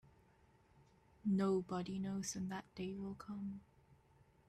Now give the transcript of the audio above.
Nobody knows when that day will come.